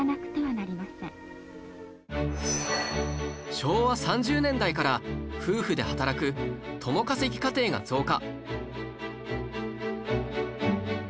昭和３０年代から夫婦で働く共稼ぎ家庭が増加